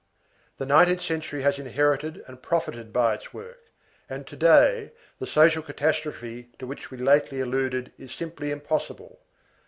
The nineteenth century has inherited and profited by its work, and to day, the social catastrophe to which we lately alluded is simply impossible.